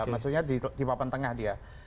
maksudnya di papan tengah dia